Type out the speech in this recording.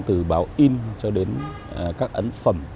từ báo in cho đến các ấn phẩm